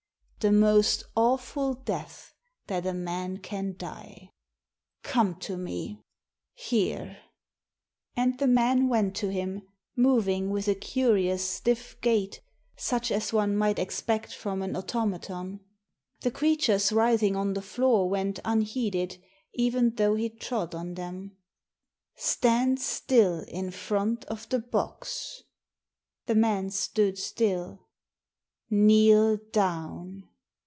The most awful death that a man ^ can die ! Come to me, here !" And the man went to him, moving with a curious, stiff gait, such as one might expect from an auto maton. The creatures writhing on the floor went unheeded, even though he trod on them. " Stand still in front of the box." The man stood still. "Kneel down."